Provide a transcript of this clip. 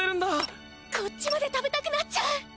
こっちまで食べたくなっちゃう！